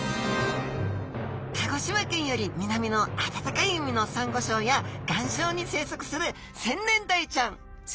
鹿児島県より南の暖かい海のサンゴ礁や岩礁に生息するセンネンダイちゃん